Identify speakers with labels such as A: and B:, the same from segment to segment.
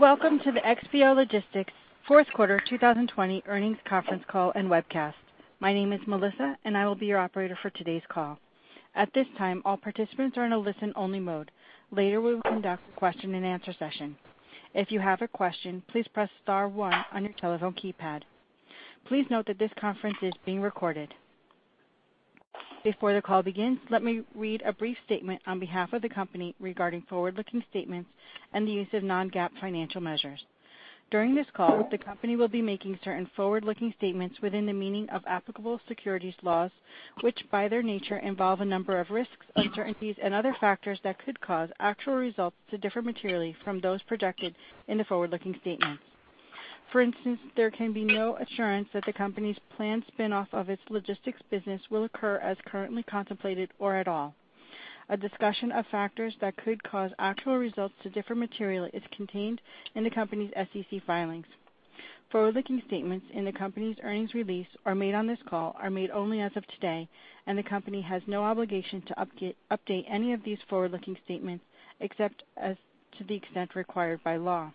A: Welcome to the XPO Logistics fourth quarter 2020 earnings conference call and webcast. My name is Melissa, and I will be your operator for today's call. At this time, all participants are in a listen-only mode. Later, we will conduct a question and answer session. If you have a question, please press star one on your telephone keypad. Please note that this conference is being recorded. Before the call begins, let me read a brief statement on behalf of the company regarding forward-looking statements and the use of non-GAAP financial measures. During this call, the company will be making certain forward-looking statements within the meaning of applicable securities laws, which, by their nature, involve a number of risks, uncertainties, and other factors that could cause actual results to differ materially from those projected in the forward-looking statements. For instance, there can be no assurance that the company's planned spin-off of its logistics business will occur as currently contemplated or at all. A discussion of factors that could cause actual results to differ materially is contained in the company's SEC filings. Forward-looking statements in the company's earnings release or made on this call are made only as of today, and the company has no obligation to update any of these forward-looking statements except as to the extent required by law.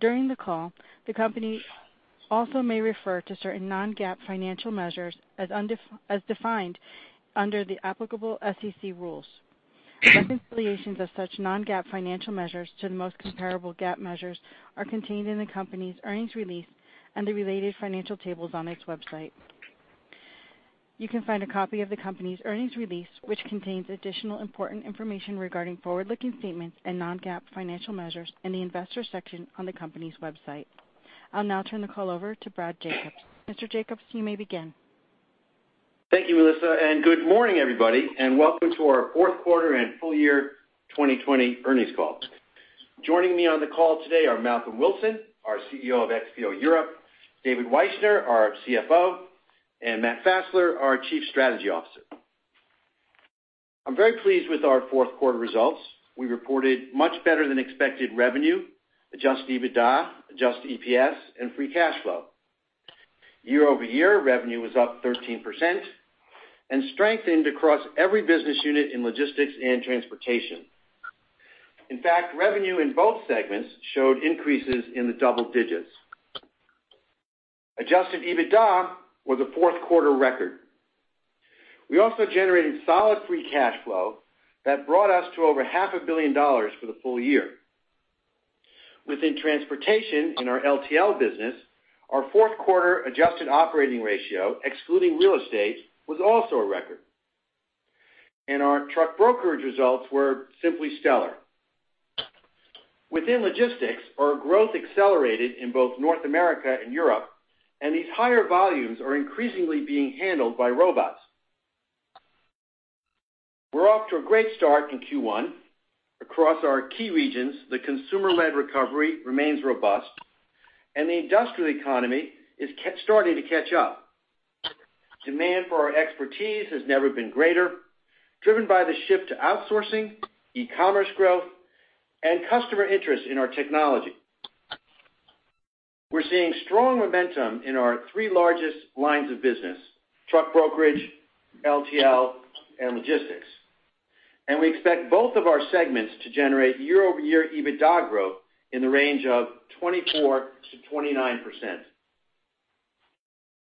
A: During the call, the company also may refer to certain non-GAAP financial measures as defined under the applicable SEC rules. Reconciliations of such non-GAAP financial measures to the most comparable GAAP measures are contained in the company's earnings release and the related financial tables on its website. You can find a copy of the company's earnings release, which contains additional important information regarding forward-looking statements and non-GAAP financial measures, in the investors section on the company's website. I'll now turn the call over to Brad Jacobs. Mr. Jacobs, you may begin.
B: Thank you, Melissa, and good morning, everybody, and welcome to our fourth quarter and full year 2020 earnings call. Joining me on the call today are Malcolm Wilson, our CEO of XPO Europe, David Wyshner, our CFO, and Matt Fassler, our Chief Strategy Officer. I'm very pleased with our fourth quarter results. We reported much better than expected revenue, adjusted EBITDA, adjusted EPS, and free cash flow. Year-over-year, revenue was up 13% and strengthened across every business unit in logistics and transportation. In fact, revenue in both segments showed increases in the double digits. Adjusted EBITDA was a fourth quarter record. We also generated solid free cash flow that brought us to over $500 million for the full year. Within transportation in our LTL business, our fourth quarter adjusted operating ratio, excluding real estate, was also a record. Our truck brokerage results were simply stellar. Within logistics, our growth accelerated in both North America and Europe. These higher volumes are increasingly being handled by robots. We're off to a great start in Q1. Across our key regions, the consumer-led recovery remains robust, and the industrial economy is starting to catch up. Demand for our expertise has never been greater, driven by the shift to outsourcing, e-commerce growth, and customer interest in our technology. We're seeing strong momentum in our three largest lines of business, truck brokerage, LTL, and logistics. We expect both of our segments to generate year-over-year EBITDA growth in the range of 24%-29%.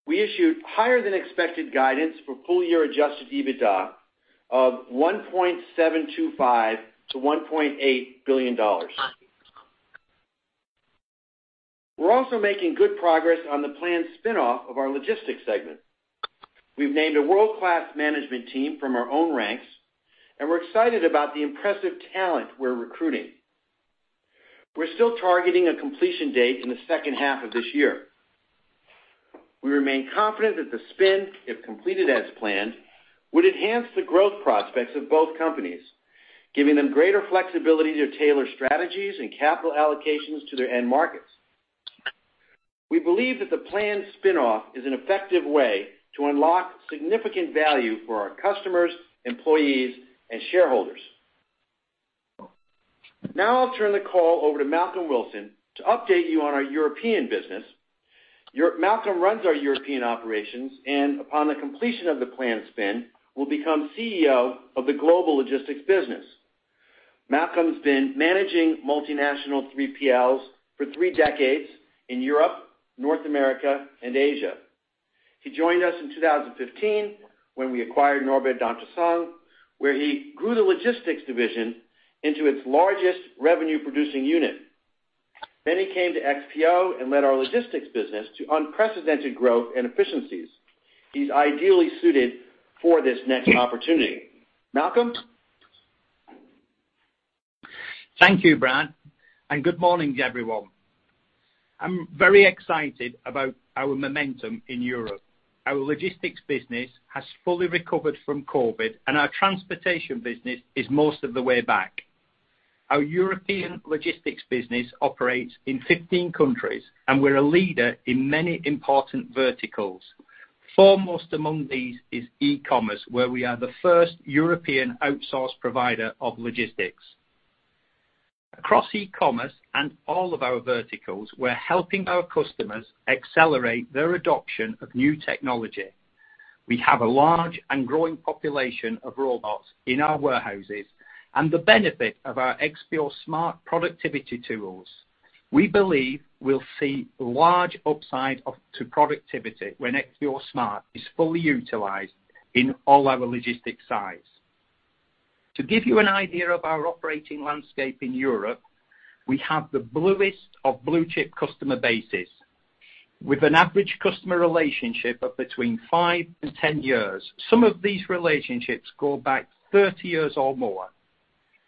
B: We issued higher than expected guidance for full-year adjusted EBITDA of $1.725 billion-$1.8 billion. We're also making good progress on the planned spin-off of our logistics segment. We've named a world-class management team from our own ranks, and we're excited about the impressive talent we're recruiting. We're still targeting a completion date in the second half of this year. We remain confident that the spin, if completed as planned, would enhance the growth prospects of both companies, giving them greater flexibility to tailor strategies and capital allocations to their end markets. We believe that the planned spin-off is an effective way to unlock significant value for our customers, employees, and shareholders. Now I'll turn the call over to Malcolm Wilson to update you on our European business. Malcolm runs our European operations and, upon the completion of the planned spin, will become CEO of the global logistics business. Malcolm's been managing multinational 3PLs for three decades in Europe, North America, and Asia. He joined us in 2015 when we acquired Norbert Dentressangle, where he grew the logistics division into its largest revenue-producing unit. He came to XPO and led our logistics business to unprecedented growth and efficiencies. He's ideally suited for this next opportunity. Malcolm?
C: Thank you, Brad. Good morning, everyone. I'm very excited about our momentum in Europe. Our logistics business has fully recovered from COVID, and our transportation business is most of the way back. Our European logistics business operates in 15 countries, and we're a leader in many important verticals. Foremost among these is e-commerce, where we are the first European outsourced provider of logistics. Across e-commerce and all of our verticals, we're helping our customers accelerate their adoption of new technology. We have a large and growing population of robots in our warehouses, and the benefit of our XPO Smart productivity tools. We believe we'll see large upside to productivity when XPO Smart is fully utilized in all our logistics sites. To give you an idea of our operating landscape in Europe, we have the bluest of blue-chip customer bases with an average customer relationship of between five and 10 years. Some of these relationships go back 30 years or more.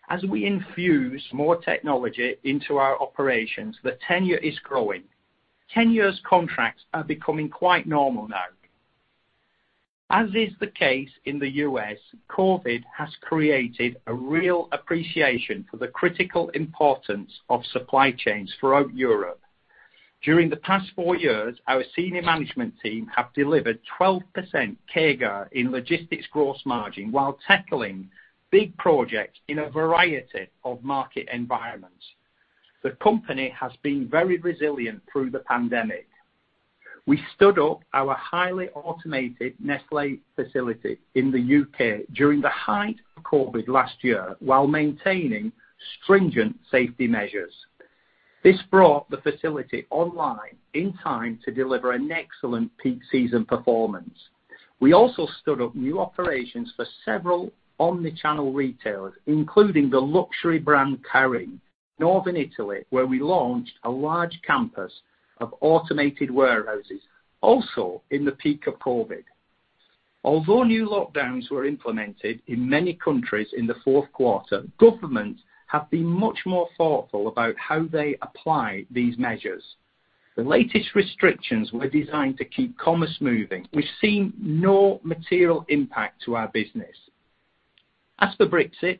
C: As we infuse more technology into our operations, the tenure is growing. 10 years contracts are becoming quite normal now. As is the case in the U.S., COVID has created a real appreciation for the critical importance of supply chains throughout Europe. During the past four years, our senior management team have delivered 12% CAGR in logistics gross margin while tackling big projects in a variety of market environments. The company has been very resilient through the pandemic. We stood up our highly automated Nestlé facility in the U.K. during the height of COVID last year while maintaining stringent safety measures. This brought the facility online in time to deliver an excellent peak season performance. We also stood up new operations for several omni-channel retailers, including the luxury brand, Kering, in Northern Italy, where we launched a large campus of automated warehouses, also in the peak of COVID. Although new lockdowns were implemented in many countries in the fourth quarter, governments have been much more thoughtful about how they apply these measures. The latest restrictions were designed to keep commerce moving. We've seen no material impact to our business. As for Brexit,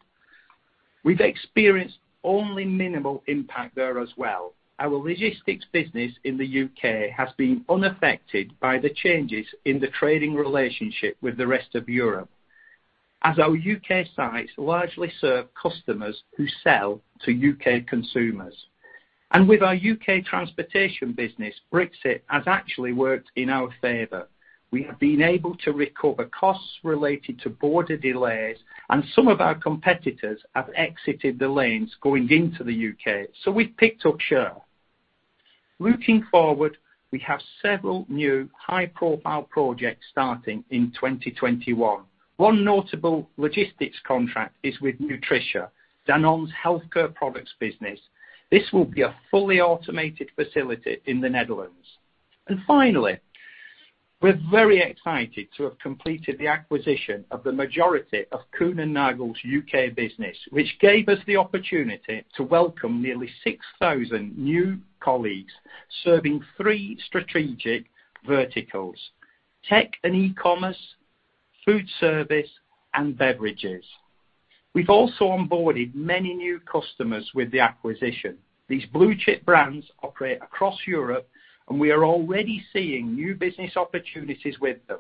C: we've experienced only minimal impact there as well. Our logistics business in the U.K. has been unaffected by the changes in the trading relationship with the rest of Europe, as our U.K. sites largely serve customers who sell to U.K. consumers. With our U.K. transportation business, Brexit has actually worked in our favor. We have been able to recover costs related to border delays, and some of our competitors have exited the lanes going into the U.K., so we've picked up share. Looking forward, we have several new high-profile projects starting in 2021. One notable logistics contract is with Nutricia, Danone's healthcare products business. This will be a fully automated facility in the Netherlands. Finally, we're very excited to have completed the acquisition of the majority of Kuehne+Nagel's U.K. business, which gave us the opportunity to welcome nearly 6,000 new colleagues serving three strategic verticals: tech and e-commerce, food service, and beverages. We've also onboarded many new customers with the acquisition. These blue-chip brands operate across Europe, and we are already seeing new business opportunities with them.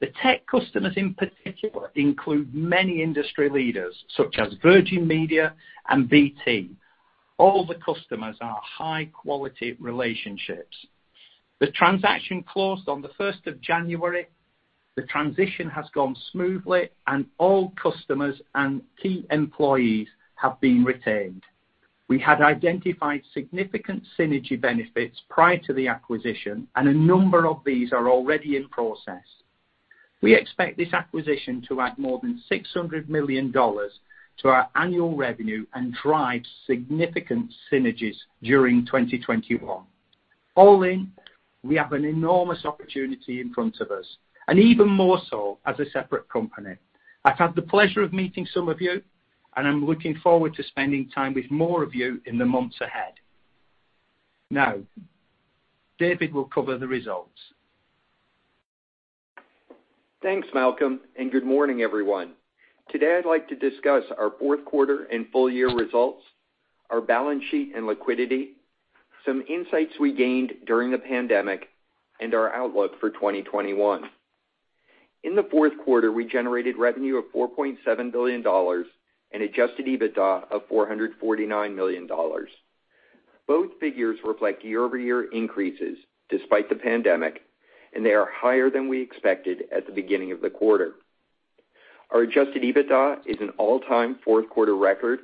C: The tech customers, in particular, include many industry leaders, such as Virgin Media and BT. All the customers are high-quality relationships. The transaction closed on the 1st of January. The transition has gone smoothly, and all customers and key employees have been retained. We had identified significant synergy benefits prior to the acquisition, and a number of these are already in process. We expect this acquisition to add more than $600 million to our annual revenue and drive significant synergies during 2021. All in, we have an enormous opportunity in front of us, and even more so as a separate company. I've had the pleasure of meeting some of you, and I'm looking forward to spending time with more of you in the months ahead. Now, David will cover the results.
D: Thanks, Malcolm, and good morning, everyone. Today, I'd like to discuss our fourth quarter and full year results, our balance sheet and liquidity, some insights we gained during the pandemic, and our outlook for 2021. In the fourth quarter, we generated revenue of $4.7 billion and adjusted EBITDA of $449 million. Both figures reflect year-over-year increases despite the pandemic, they are higher than we expected at the beginning of the quarter. Our adjusted EBITDA is an all-time fourth quarter record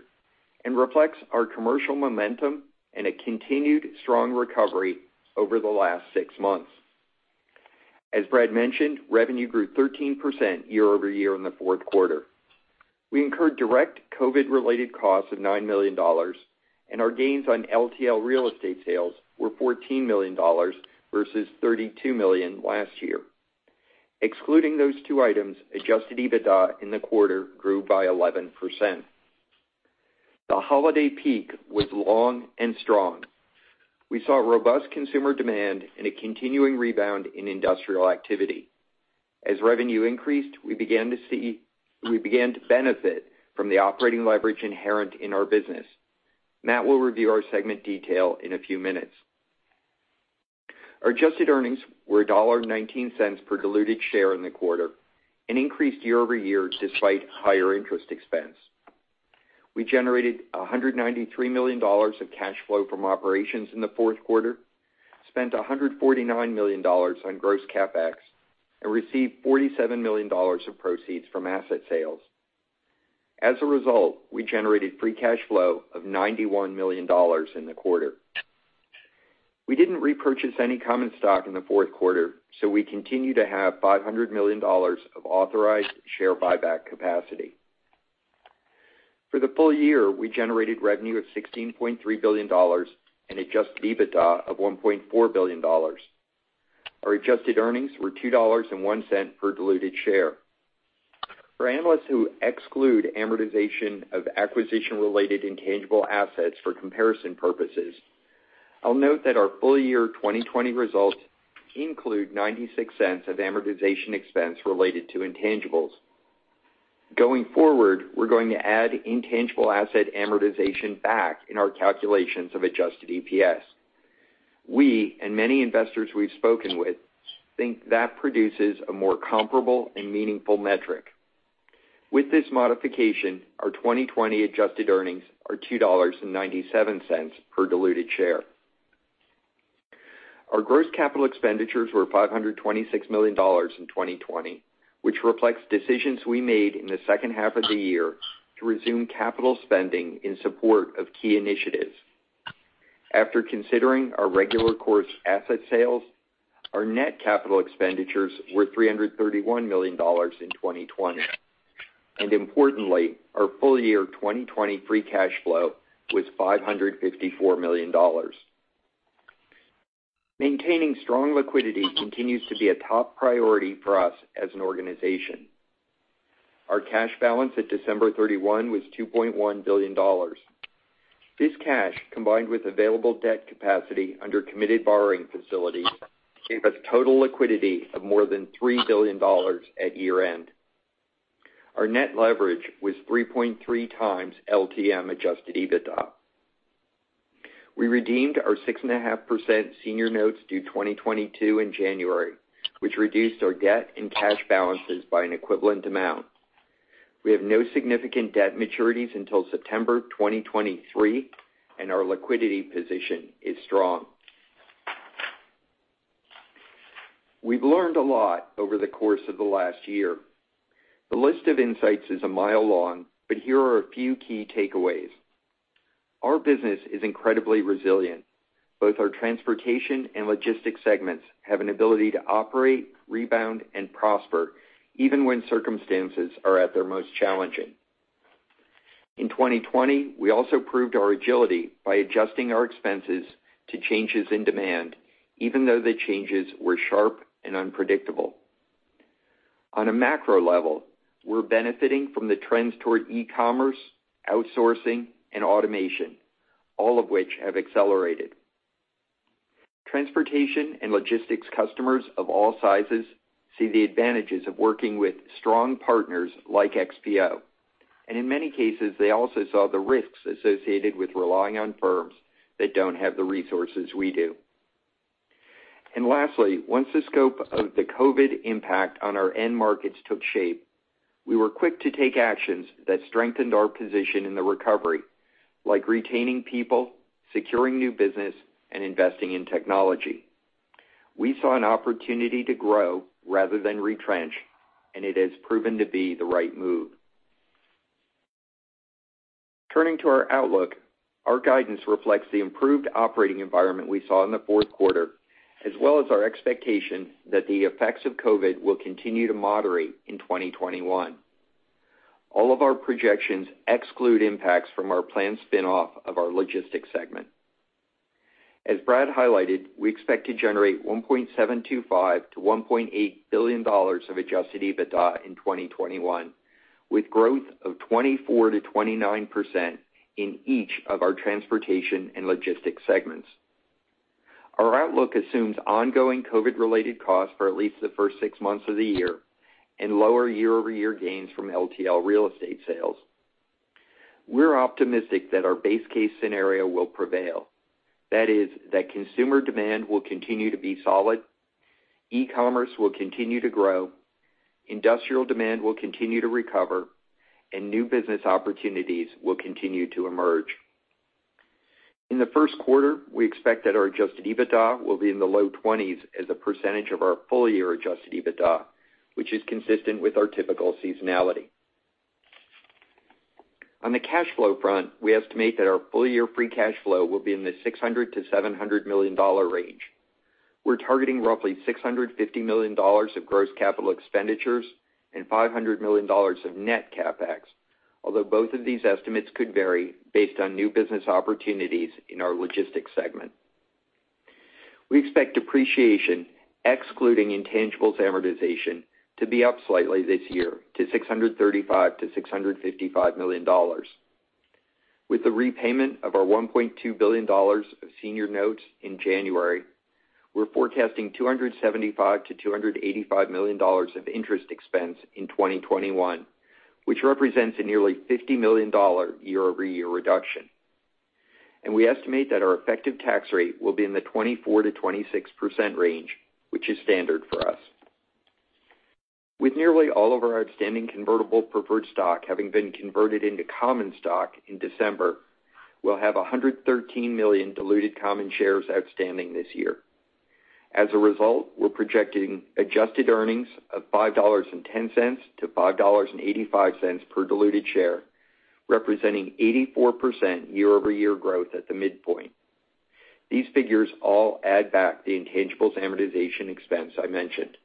D: and reflects our commercial momentum and a continued strong recovery over the last six months. As Brad mentioned, revenue grew 13% year-over-year in the fourth quarter. We incurred direct COVID-related costs of $9 million, and our gains on LTL real estate sales were $14 million versus $32 million last year. Excluding those two items, adjusted EBITDA in the quarter grew by 11%. The holiday peak was long and strong. We saw robust consumer demand and a continuing rebound in industrial activity. As revenue increased, we began to benefit from the operating leverage inherent in our business. Matt will review our segment detail in a few minutes. Our adjusted earnings were $1.19 per diluted share in the quarter and increased year-over-year despite higher interest expense. We generated $193 million of cash flow from operations in the fourth quarter, spent $149 million on gross CapEx, and received $47 million of proceeds from asset sales. As a result, we generated free cash flow of $91 million in the quarter. We didn't repurchase any common stock in the fourth quarter, so we continue to have $500 million of authorized share buyback capacity. For the full year, we generated revenue of $16.3 billion and adjusted EBITDA of $1.4 billion. Our adjusted earnings were $2.01 per diluted share. For analysts who exclude amortization of acquisition-related intangible assets for comparison purposes, I'll note that our full year 2020 results include $0.96 of amortization expense related to intangibles. Going forward, we're going to add intangible asset amortization back in our calculations of adjusted EPS. We, and many investors we've spoken with, think that produces a more comparable and meaningful metric. With this modification, our 2020 adjusted earnings are $2.97 per diluted share. Our gross capital expenditures were $526 million in 2020, which reflects decisions we made in the second half of the year to resume capital spending in support of key initiatives. After considering our regular course asset sales, our net capital expenditures were $331 million in 2020. Importantly, our full year 2020 free cash flow was $554 million. Maintaining strong liquidity continues to be a top priority for us as an organization. Our cash balance at December 31 was $2.1 billion. This cash, combined with available debt capacity under committed borrowing facilities, gave us total liquidity of more than $3 billion at year-end. Our net leverage was 3.3x LTM adjusted EBITDA. We redeemed our 6.5% senior notes due 2022 in January, which reduced our debt and cash balances by an equivalent amount. We have no significant debt maturities until September 2023, and our liquidity position is strong. We've learned a lot over the course of the last year. The list of insights is a mile long, but here are a few key takeaways. Our business is incredibly resilient. Both our transportation and logistics segments have an ability to operate, rebound, and prosper even when circumstances are at their most challenging. In 2020, we also proved our agility by adjusting our expenses to changes in demand, even though the changes were sharp and unpredictable. On a macro level, we're benefiting from the trends toward e-commerce, outsourcing, and automation, all of which have accelerated. Transportation and logistics customers of all sizes see the advantages of working with strong partners like XPO. In many cases, they also saw the risks associated with relying on firms that don't have the resources we do. Lastly, once the scope of the COVID impact on our end markets took shape, we were quick to take actions that strengthened our position in the recovery, like retaining people, securing new business, and investing in technology. We saw an opportunity to grow rather than retrench, and it has proven to be the right move. Turning to our outlook, our guidance reflects the improved operating environment we saw in the fourth quarter, as well as our expectation that the effects of COVID will continue to moderate in 2021. All of our projections exclude impacts from our planned spin-off of our logistics segment. As Brad highlighted, we expect to generate $1.725 billion-$1.8 billion of adjusted EBITDA in 2021, with growth of 24%-29% in each of our transportation and logistics segments. Our outlook assumes ongoing COVID-related costs for at least the first six months of the year and lower year-over-year gains from LTL real estate sales. We're optimistic that our base case scenario will prevail. That is, that consumer demand will continue to be solid, e-commerce will continue to grow, industrial demand will continue to recover, and new business opportunities will continue to emerge. In the first quarter, we expect that our adjusted EBITDA will be in the low 20% as a percentage of our full-year adjusted EBITDA, which is consistent with our typical seasonality. On the cash flow front, we estimate that our full-year free cash flow will be in the $600 million-$700 million range. We're targeting roughly $650 million of gross capital expenditures and $500 million of net CapEx, although both of these estimates could vary based on new business opportunities in our logistics segment. We expect depreciation, excluding intangibles amortization, to be up slightly this year to $635 million-$655 million. With the repayment of our $1.2 billion of senior notes in January, we're forecasting $275 million-$285 million of interest expense in 2021, which represents a nearly $50 million year-over-year reduction. We estimate that our effective tax rate will be in the 24%-26% range, which is standard for us. With nearly all of our outstanding convertible preferred stock having been converted into common stock in December, we'll have 113 million diluted common shares outstanding this year. As a result, we're projecting adjusted earnings of $5.10-$5.85 per diluted share, representing 84% year-over-year growth at the midpoint. These figures all add back the intangibles amortization expense I mentioned.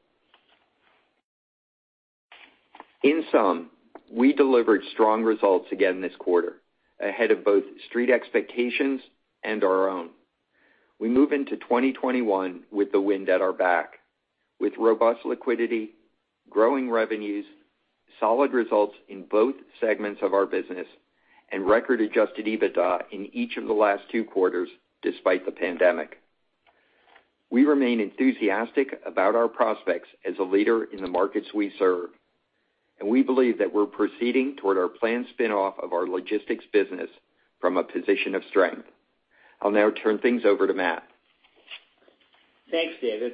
D: In sum, we delivered strong results again this quarter, ahead of both street expectations and our own. We move into 2021 with the wind at our back, with robust liquidity, growing revenues, solid results in both segments of our business, and record adjusted EBITDA in each of the last two quarters, despite the pandemic. We remain enthusiastic about our prospects as a leader in the markets we serve, and we believe that we're proceeding toward our planned spin-off of our logistics business from a position of strength. I'll now turn things over to Matt.
E: Thanks, David.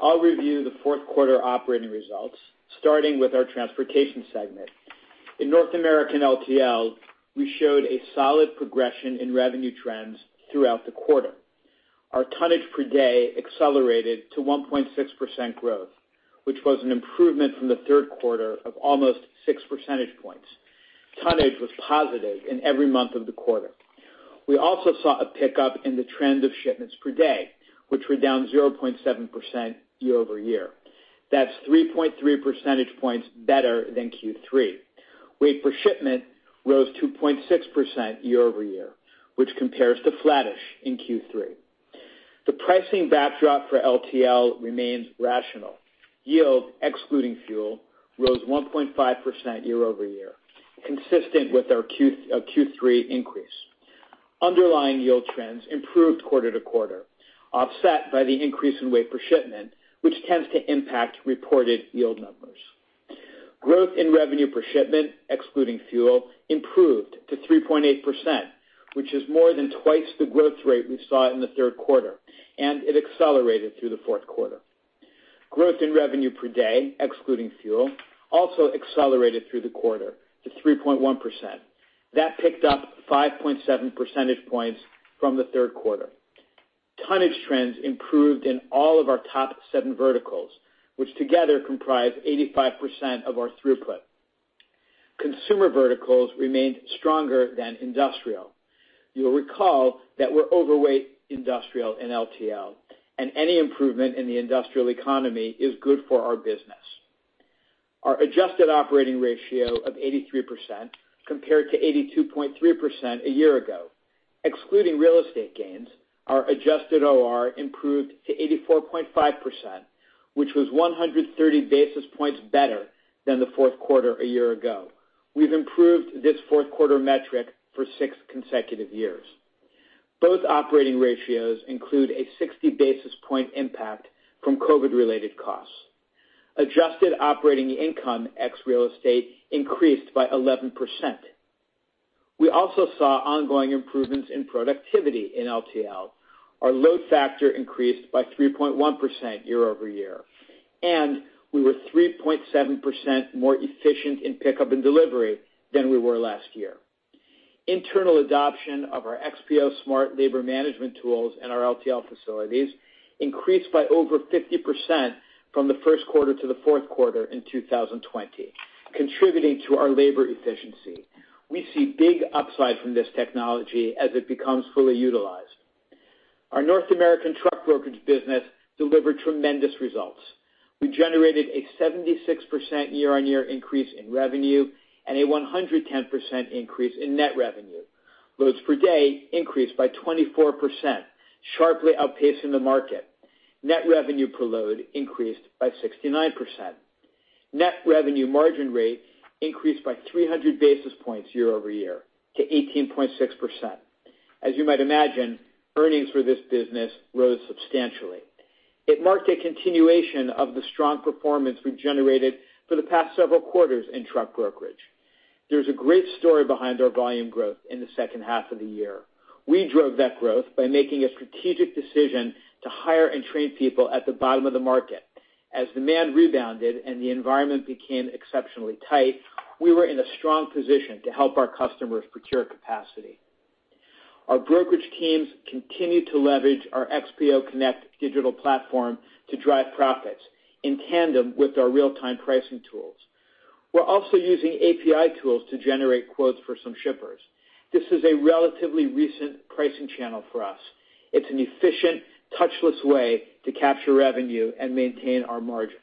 E: I'll review the fourth quarter operating results, starting with our transportation segment. In North American LTL, we showed a solid progression in revenue trends throughout the quarter. Our tonnage per day accelerated to 1.6% growth, which was an improvement from the third quarter of almost 6 percentage points. Tonnage was positive in every month of the quarter. We also saw a pickup in the trend of shipments per day, which were down 0.7% year-over-year. That's 3.3 percentage points better than Q3. Weight per shipment rose 2.6% year-over-year, which compares to flattish in Q3. The pricing backdrop for LTL remains rational. Yield, excluding fuel, rose 1.5% year-over-year, consistent with our Q3 increase. Underlying yield trends improved quarter to quarter, offset by the increase in weight per shipment, which tends to impact reported yield numbers. Growth in revenue per shipment, excluding fuel, improved to 3.8%, which is more than twice the growth rate we saw in the third quarter, and it accelerated through the fourth quarter. Growth in revenue per day, excluding fuel, also accelerated through the quarter to 3.1%. That picked up 5.7 percentage points from the third quarter. Tonnage trends improved in all of our top seven verticals, which together comprise 85% of our throughput. Consumer verticals remained stronger than industrial. You'll recall that we're overweight industrial and LTL, and any improvement in the industrial economy is good for our business. Our adjusted operating ratio of 83%, compared to 82.3% a year ago. Excluding real estate gains, our adjusted OR improved to 84.5%, which was 130 basis points better than the fourth quarter a year ago. We've improved this fourth quarter metric for six consecutive years. Both operating ratios include a 60 basis point impact from COVID-related costs. Adjusted operating income, ex real estate, increased by 11%. We also saw ongoing improvements in productivity in LTL. Our load factor increased by 3.1% year-over-year, and we were 3.7% more efficient in pickup and delivery than we were last year. Internal adoption of our XPO Smart labor management tools in our LTL facilities increased by over 50% from the first quarter to the fourth quarter in 2020, contributing to our labor efficiency. We see big upside from this technology as it becomes fully utilized. Our North American truck brokerage business delivered tremendous results. We generated a 76% year-on-year increase in revenue and a 110% increase in net revenue. Loads per day increased by 24%, sharply outpacing the market. Net revenue per load increased by 69%. Net revenue margin rate increased by 300 basis points year-over-year to 18.6%. As you might imagine, earnings for this business rose substantially. It marked a continuation of the strong performance we've generated for the past several quarters in truck brokerage. There's a great story behind our volume growth in the second half of the year. We drove that growth by making a strategic decision to hire and train people at the bottom of the market. As demand rebounded and the environment became exceptionally tight, we were in a strong position to help our customers procure capacity. Our brokerage teams continue to leverage our XPO Connect digital platform to drive profits in tandem with our real-time pricing tools. We're also using API tools to generate quotes for some shippers. This is a relatively recent pricing channel for us. It's an efficient, touchless way to capture revenue and maintain our margin.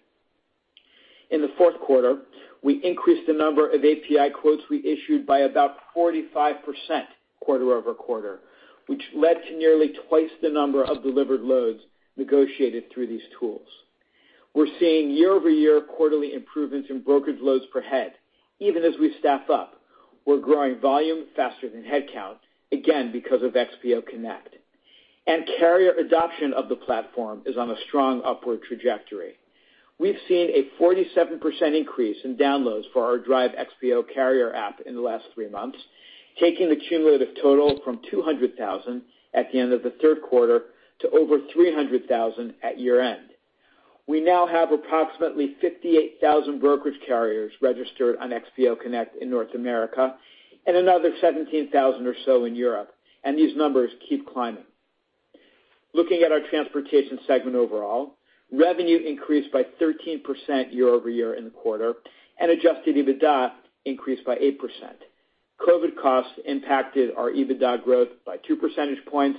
E: In the fourth quarter, we increased the number of API quotes we issued by about 45% quarter-over-quarter, which led to nearly twice the number of delivered loads negotiated through these tools. We're seeing year-over-year quarterly improvements in brokerage loads per head, even as we staff up. We're growing volume faster than headcount, again, because of XPO Connect. Carrier adoption of the platform is on a strong upward trajectory. We've seen a 47% increase in downloads for our Drive XPO carrier app in the last three months, taking the cumulative total from 200,000 at the end of the third quarter to over 300,000 at year-end. We now have approximately 58,000 brokerage carriers registered on XPO Connect in North America and another 17,000 or so in Europe. These numbers keep climbing. Looking at our transportation segment overall, revenue increased by 13% year-over-year in the quarter, and adjusted EBITDA increased by 8%. COVID costs impacted our EBITDA growth by 2 percentage points,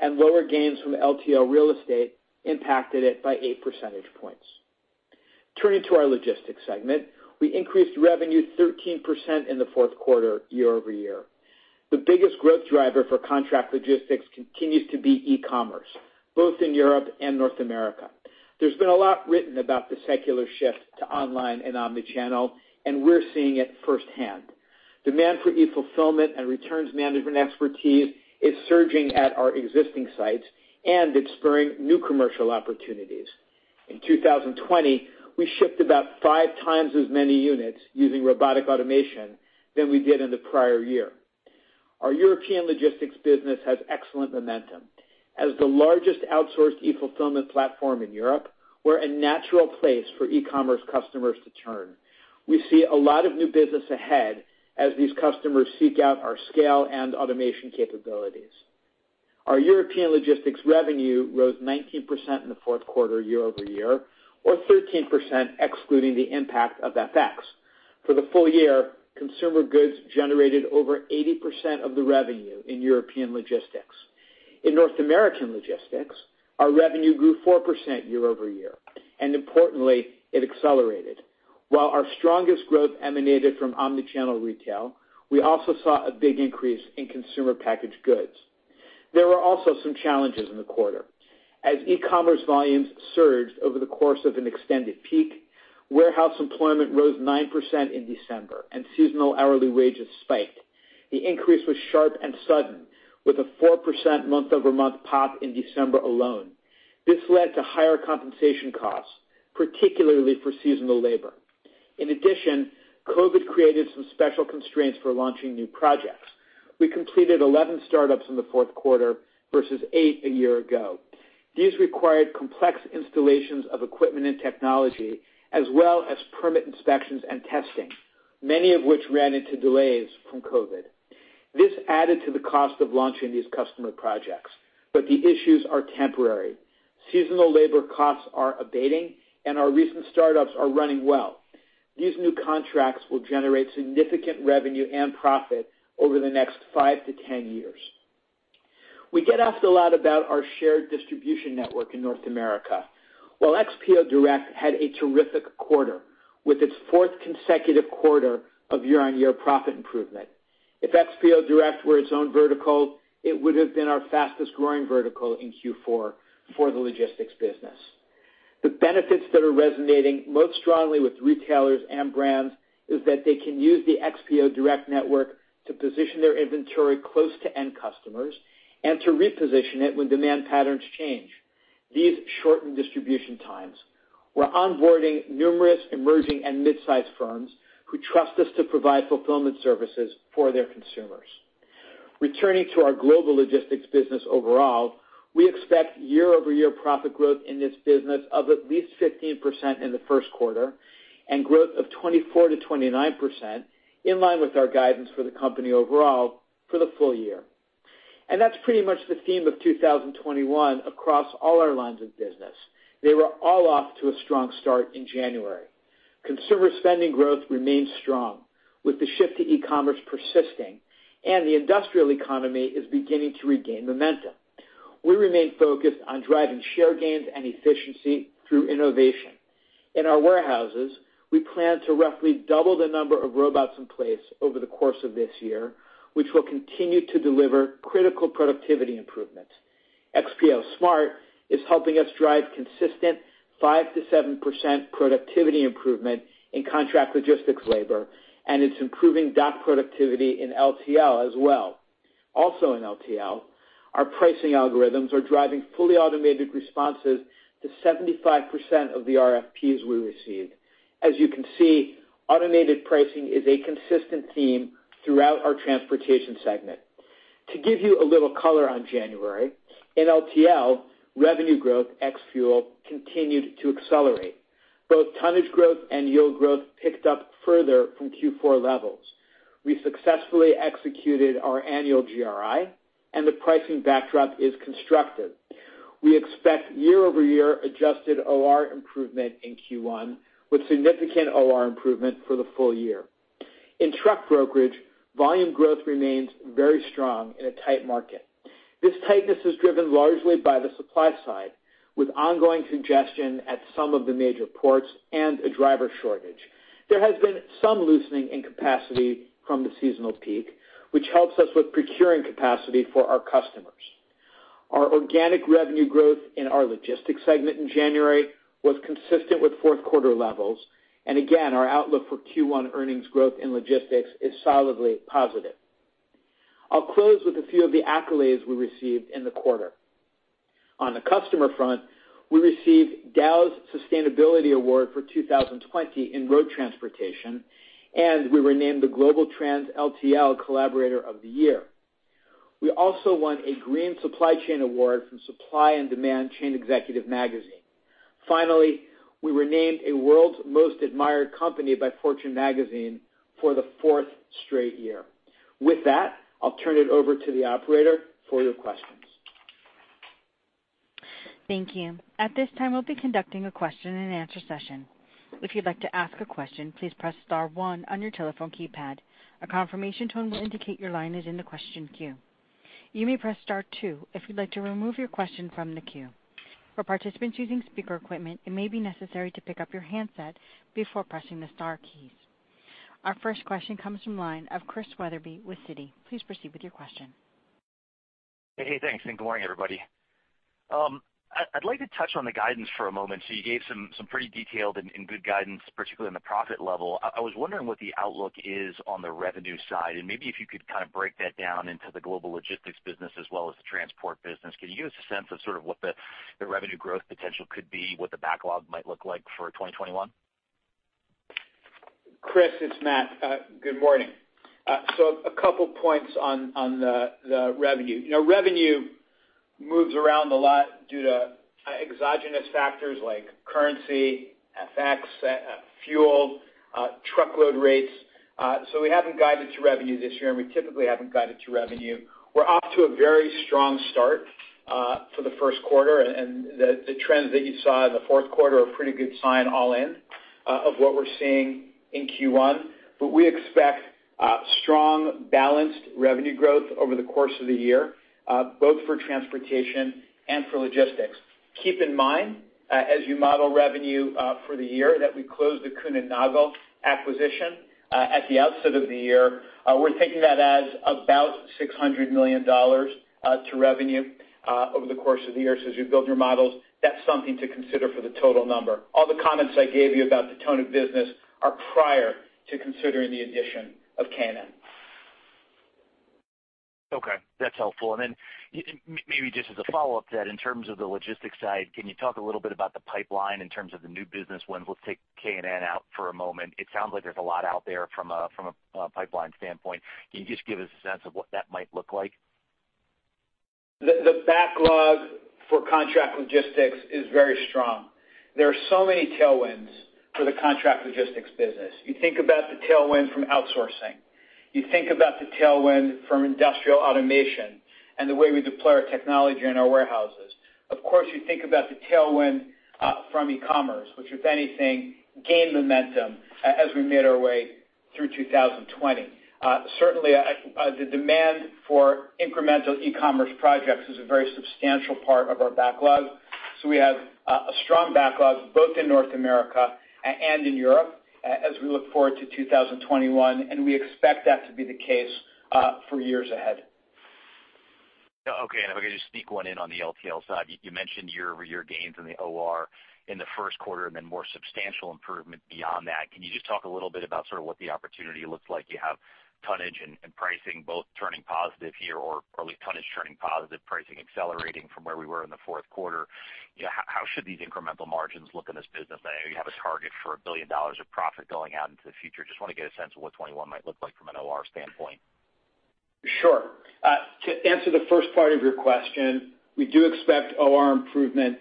E: and lower gains from LTL Real Estate impacted it by 8 percentage points. Turning to our logistics segment, we increased revenue 13% in the fourth quarter year-over-year. The biggest growth driver for contract logistics continues to be e-commerce, both in Europe and North America. There's been a lot written about the secular shift to online and omnichannel, and we're seeing it firsthand. Demand for e-fulfillment and returns management expertise is surging at our existing sites, and it's spurring new commercial opportunities. In 2020, we shipped about 5x as many units using robotic automation than we did in the prior year. Our European logistics business has excellent momentum. As the largest outsourced e-fulfillment platform in Europe, we're a natural place for e-commerce customers to turn. We see a lot of new business ahead as these customers seek out our scale and automation capabilities. Our European logistics revenue rose 19% in the fourth quarter year-over-year, or 13% excluding the impact of FX. For the full year, consumer goods generated over 80% of the revenue in European logistics. In North American logistics, our revenue grew 4% year-over-year, and importantly, it accelerated. While our strongest growth emanated from omnichannel retail, we also saw a big increase in consumer packaged goods. There were also some challenges in the quarter. As e-commerce volumes surged over the course of an extended peak, warehouse employment rose 9% in December, and seasonal hourly wages spiked. The increase was sharp and sudden, with a 4% month-over-month pop in December alone. This led to higher compensation costs, particularly for seasonal labor. In addition, COVID created some special constraints for launching new projects. We completed 11 startups in the fourth quarter versus eight a year ago. These required complex installations of equipment and technology as well as permit inspections and testing, many of which ran into delays from COVID. This added to the cost of launching these customer projects. The issues are temporary. Seasonal labor costs are abating, and our recent startups are running well. These new contracts will generate significant revenue and profit over the next five to 10 years. We get asked a lot about our shared distribution network in North America. While XPO Direct had a terrific quarter, with its fourth consecutive quarter of year-on-year profit improvement. If XPO Direct were its own vertical, it would have been our fastest-growing vertical in Q4 for the logistics business. The benefits that are resonating most strongly with retailers and brands is that they can use the XPO Direct network to position their inventory close to end customers and to reposition it when demand patterns change. These shorten distribution times. We're onboarding numerous emerging and midsize firms who trust us to provide fulfillment services for their consumers. Returning to our global logistics business overall, we expect year-over-year profit growth in this business of at least 15% in the first quarter and growth of 24%-29%, in line with our guidance for the company overall for the full year. That's pretty much the theme of 2021 across all our lines of business. They were all off to a strong start in January. Consumer spending growth remains strong, with the shift to e-commerce persisting, and the industrial economy is beginning to regain momentum. We remain focused on driving share gains and efficiency through innovation. In our warehouses, we plan to roughly double the number of robots in place over the course of this year, which will continue to deliver critical productivity improvements. XPO Smart is helping us drive consistent 5%-7% productivity improvement in contract logistics labor, and it's improving dock productivity in LTL as well. Also in LTL, our pricing algorithms are driving fully automated responses to 75% of the RFPs we receive. As you can see, automated pricing is a consistent theme throughout our transportation segment. To give you a little color on January, in LTL, revenue growth ex fuel continued to accelerate. Both tonnage growth and yield growth picked up further from Q4 levels. We successfully executed our annual GRI, and the pricing backdrop is constructive. We expect year-over-year adjusted OR improvement in Q1 with significant OR improvement for the full year. In truck brokerage, volume growth remains very strong in a tight market. This tightness is driven largely by the supply side, with ongoing congestion at some of the major ports and a driver shortage. There has been some loosening in capacity from the seasonal peak, which helps us with procuring capacity for our customers. Our organic revenue growth in our logistics segment in January was consistent with fourth quarter levels. Again, our outlook for Q1 earnings growth in logistics is solidly positive. I'll close with a few of the accolades we received in the quarter. On the customer front, we received Dow's Sustainability Award for 2020 in road transportation, and we were named the GlobalTranz LTL Collaborator of the Year. We also won a Green Supply Chain Award from Supply & Demand Chain Executive magazine. Finally, we were named a world's most admired company by Fortune Magazine for the fourth straight year. With that, I'll turn it over to the operator for your questions.
A: Thank you. At this time, we'll be conducting a question and answer session. If you'd like to ask a question, please press star one on your telephone keypad. A confirmation tone will indicate your line is in the question queue. You may press star two if you'd like to remove your question from the queue. For participants using speaker equipment, it may be necessary to pick up your handset before pressing the star keys. Our first question comes from line of Chris Wetherbee with Citi. Please proceed with your question.
F: Hey, thanks, good morning, everybody. I'd like to touch on the guidance for a moment. You gave some pretty detailed and good guidance, particularly on the profit level. I was wondering what the outlook is on the revenue side, and maybe if you could kind of break that down into the global logistics business as well as the transport business. Can you give us a sense of sort of what the revenue growth potential could be, what the backlog might look like for 2021?
E: Chris, it's Matt. Good morning. A couple points on the revenue. Revenue moves around a lot due to exogenous factors like currency, FX, fuel, truckload rates. We haven't guided to revenue this year, and we typically haven't guided to revenue. We're off to a very strong start for the first quarter, and the trends that you saw in the fourth quarter are a pretty good sign all in of what we're seeing in Q1. We expect strong, balanced revenue growth over the course of the year, both for transportation and for logistics. Keep in mind, as you model revenue for the year, that we closed the Kuehne+Nagel acquisition at the outset of the year. We're taking that as about $600 million to revenue over the course of the year. As you build your models, that's something to consider for the total number. All the comments I gave you about the tone of business are prior to considering the addition of K&N.
F: Okay, that's helpful. Maybe just as a follow-up to that, in terms of the logistics side, can you talk a little bit about the pipeline in terms of the new business wins? Let's take K&N out for a moment. It sounds like there's a lot out there from a pipeline standpoint. Can you just give us a sense of what that might look like?
E: The backlog for contract logistics is very strong. There are so many tailwinds for the contract logistics business. You think about the tailwind from outsourcing. You think about the tailwind from industrial automation and the way we deploy our technology in our warehouses. Of course, you think about the tailwind from e-commerce, which if anything, gained momentum as we made our way through 2020. Certainly, the demand for incremental e-commerce projects is a very substantial part of our backlog. We have a strong backlog both in North America and in Europe as we look forward to 2021, and we expect that to be the case for years ahead.
F: Okay. If I could just sneak one in on the LTL side. You mentioned year-over-year gains in the OR in the first quarter and then more substantial improvement beyond that. Can you just talk a little bit about sort of what the opportunity looks like? You have tonnage and pricing both turning positive here, or at least tonnage turning positive, pricing accelerating from where we were in the fourth quarter. How should these incremental margins look in this business? I know you have a target for $1 billion of profit going out into the future. Just want to get a sense of what 2021 might look like from an OR standpoint.
E: Sure. To answer the first part of your question, we do expect OR improvement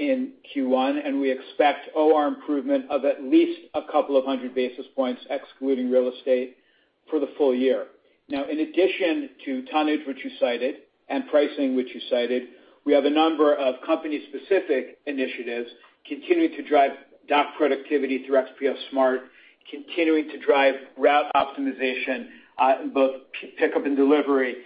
E: in Q1, and we expect OR improvement of at least a couple of hundred basis points, excluding real estate, for the full year. In addition to tonnage, which you cited, and pricing, which you cited, we have a number of company-specific initiatives continuing to drive dock productivity through XPO Smart, continuing to drive route optimization in both pickup and delivery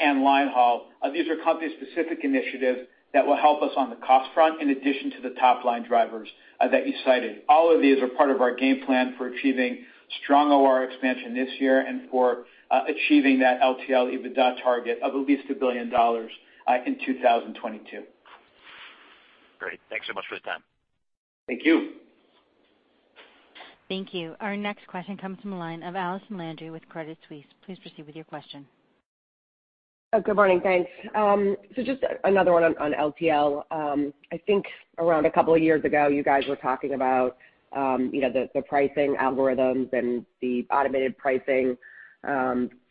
E: and line haul. These are company-specific initiatives that will help us on the cost front, in addition to the top-line drivers that you cited. All of these are part of our game plan for achieving strong OR expansion this year and for achieving that LTL EBITDA target of at least $1 billion in 2022.
F: Great. Thanks so much for the time.
E: Thank you.
A: Thank you. Our next question comes from the line of Allison Landry with Credit Suisse. Please proceed with your question.
G: Good morning. Thanks. Just another one on LTL. I think around a couple of years ago, you guys were talking about the pricing algorithms and the automated pricing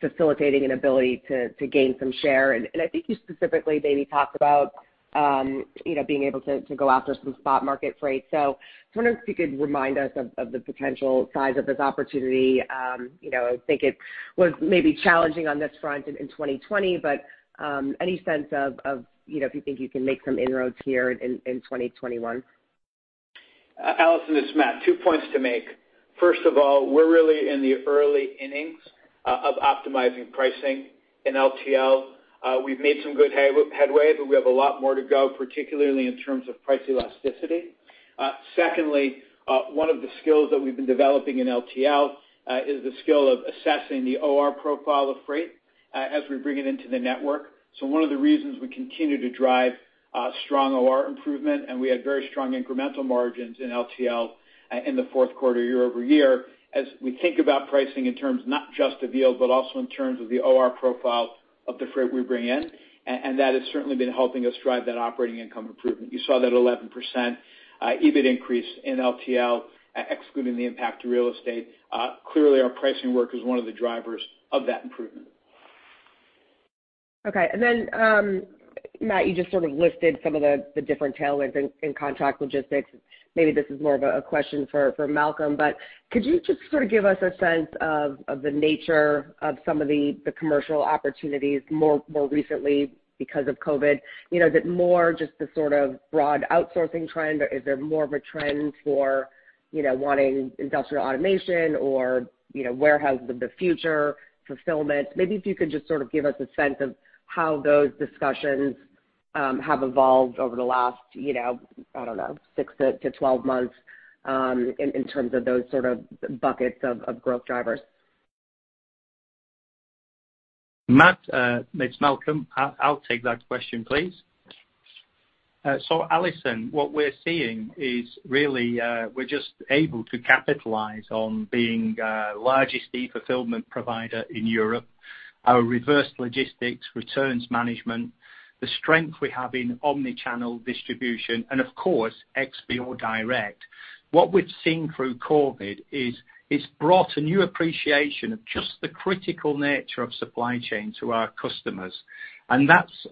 G: facilitating an ability to gain some share. I think you specifically maybe talked about being able to go after some spot market freight. I was wondering if you could remind us of the potential size of this opportunity. I think it was maybe challenging on this front in 2020, but any sense of if you think you can make some inroads here in 2021?
E: Allison, it's Matt. Two points to make. First of all, we're really in the early innings of optimizing pricing in LTL. We've made some good headway, but we have a lot more to go, particularly in terms of price elasticity. Secondly, one of the skills that we've been developing in LTL is the skill of assessing the OR profile of freight as we bring it into the network. One of the reasons we continue to drive strong OR improvement, and we had very strong incremental margins in LTL in the fourth quarter year-over-year, as we think about pricing in terms not just of yield, but also in terms of the OR profile of the freight we bring in. That has certainly been helping us drive that operating income improvement. You saw that 11% EBIT increase in LTL, excluding the impact to real estate. Clearly, our pricing work is one of the drivers of that improvement.
G: Okay. Then, Matt, you just listed some of the different tailwinds in contract logistics. Maybe this is more of a question for Malcolm, but could you just give us a sense of the nature of some of the commercial opportunities more recently because of COVID? Is it more just the broad outsourcing trend, or is there more of a trend for wanting industrial automation or warehouses of the future fulfillment? Maybe if you could just give us a sense of how those discussions have evolved over the last, I don't know, six to 12 months, in terms of those sort of buckets of growth drivers.
C: Matt, it's Malcolm. I'll take that question, please. Allison, what we're seeing is really we're just able to capitalize on being the largest e-fulfillment provider in Europe. Our reverse logistics, returns management, the strength we have in omni-channel distribution, and of course, XPO Direct. What we've seen through COVID is it's brought a new appreciation of just the critical nature of supply chain to our customers. That's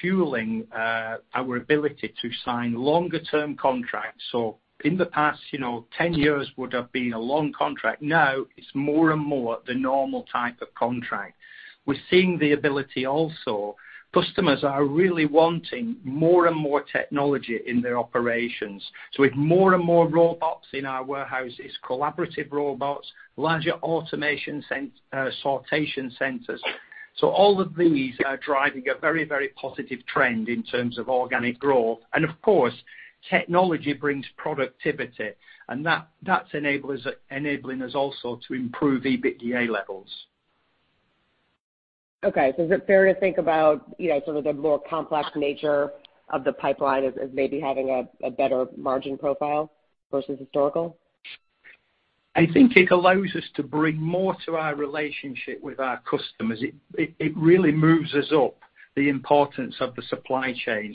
C: fueling our ability to sign longer-term contracts. In the past, 10 years would have been a long contract. Now it's more and more the normal type of contract. We're seeing the ability also, customers are really wanting more and more technology in their operations. We have more and more robots in our warehouses, collaborative robots, larger automation sortation centers. All of these are driving a very, very positive trend in terms of organic growth. Of course, technology brings productivity, and that's enabling us also to improve EBITDA levels.
G: Okay. Is it fair to think about sort of the more complex nature of the pipeline as maybe having a better margin profile versus historical?
C: I think it allows us to bring more to our relationship with our customers. It really moves us up the importance of the supply chain.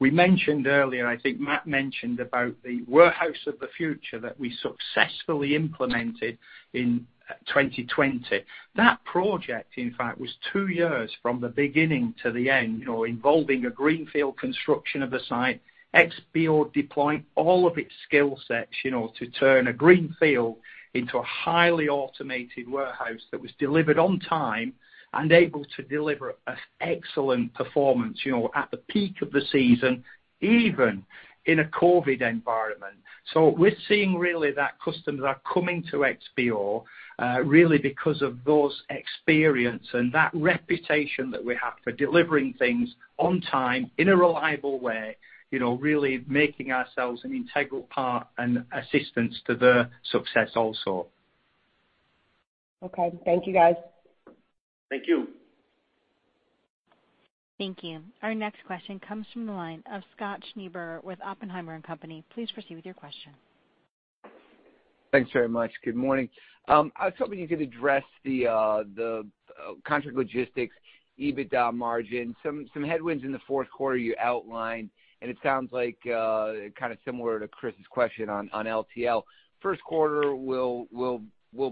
C: We mentioned earlier, I think Matt mentioned about the warehouse of the future that we successfully implemented in 2020. That project, in fact, was two years from the beginning to the end, involving a greenfield construction of the site, XPO deploying all of its skill sets to turn a greenfield into a highly automated warehouse that was delivered on time and able to deliver excellent performance at the peak of the season, even in a COVID environment. We're seeing really that customers are coming to XPO, really because of those experience and that reputation that we have for delivering things on time in a reliable way, really making ourselves an integral part and assistance to their success also.
G: Okay. Thank you, guys.
E: Thank you.
A: Thank you. Our next question comes from the line of Scott Schneeberger with Oppenheimer & Company. Please proceed with your question.
H: Thanks very much. Good morning. I was hoping you could address the contract logistics, EBITDA margin, some headwinds in the fourth quarter you outlined, and it sounds like kind of similar to Chris' question on LTL. First quarter will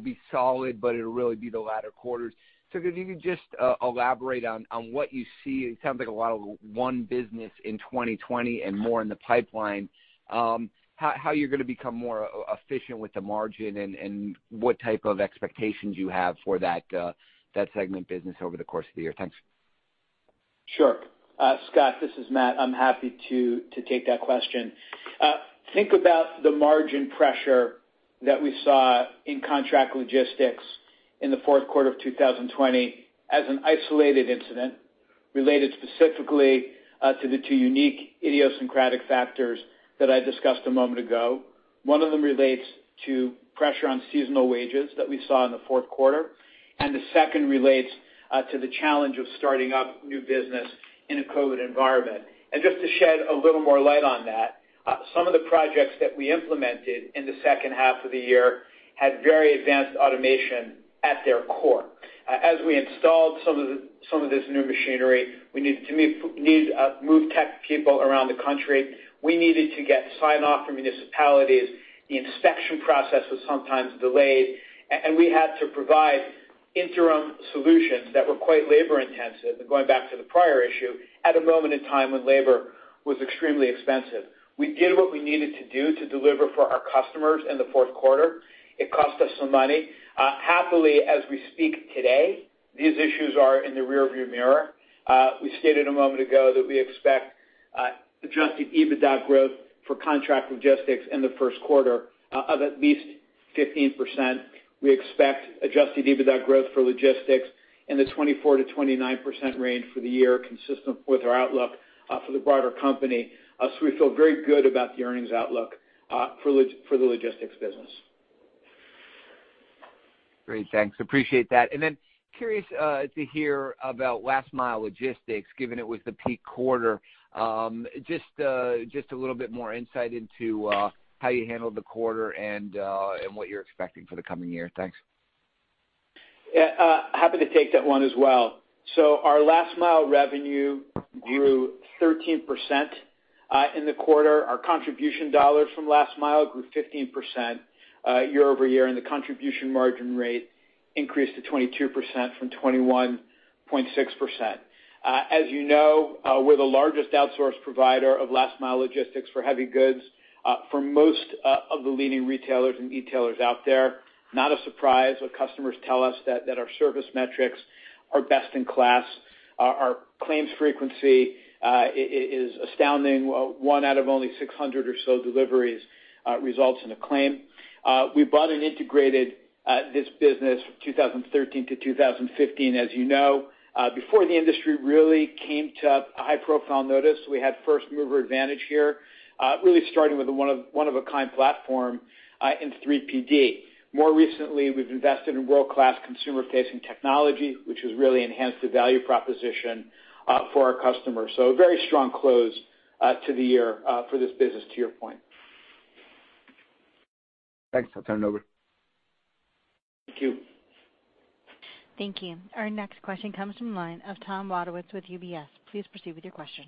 H: be solid, but it'll really be the latter quarters. Could you just elaborate on what you see? It sounds like a lot of won business in 2020 and more in the pipeline. How are you going to become more efficient with the margin and what type of expectations you have for that segment business over the course of the year? Thanks.
E: Sure. Scott, this is Matt. I'm happy to take that question. Think about the margin pressure that we saw in contract logistics in the fourth quarter of 2020 as an isolated incident related specifically to the two unique idiosyncratic factors that I discussed a moment ago. One of them relates to pressure on seasonal wages that we saw in the fourth quarter, the second relates to the challenge of starting up new business in a COVID environment. Just to shed a little more light on that, some of the projects that we implemented in the second half of the year had very advanced automation at their core. As we installed some of this new machinery, we needed to move tech people around the country. We needed to get sign-off from municipalities. The inspection process was sometimes delayed, and we had to provide interim solutions that were quite labor-intensive, going back to the prior issue, at a moment in time when labor was extremely expensive. We did what we needed to do to deliver for our customers in the fourth quarter. It cost us some money. Happily, as we speak today, these issues are in the rearview mirror. We stated a moment ago that we expect adjusted EBITDA growth for contract logistics in the first quarter of at least 15%. We expect adjusted EBITDA growth for logistics in the 24%-29% range for the year consistent with our outlook for the broader company. We feel very good about the earnings outlook for the logistics business.
H: Great. Thanks. Appreciate that. Curious to hear about last-mile logistics, given it was the peak quarter. Just a little bit more insight into how you handled the quarter and what you're expecting for the coming year. Thanks.
E: Happy to take that one as well. Our last-mile revenue grew 13%. In the quarter, our contribution dollars from last-mile grew 15% year-over-year, and the contribution margin rate increased to 22% from 21.6%. As you know, we're the largest outsource provider of last-mile logistics for heavy goods for most of the leading retailers and e-tailers out there. Not a surprise when customers tell us that our service metrics are best in class. Our claims frequency is astounding. One out of only 600 or so deliveries results in a claim. We bought and integrated this business from 2013 to 2015, as you know. Before the industry really came to high profile notice, we had first-mover advantage here, really starting with a one of a kind platform in 3PD. More recently, we've invested in world-class consumer-facing technology, which has really enhanced the value proposition for our customers. A very strong close to the year for this business, to your point.
H: Thanks. I'll turn it over.
E: Thank you.
A: Thank you. Our next question comes from the line of Tom Wadewitz with UBS. Please proceed with your question.